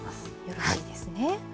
よろしいですね。